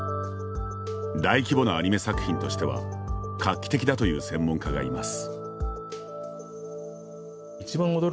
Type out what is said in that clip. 大規模なアニメ作品としては画期的だという専門家がいます。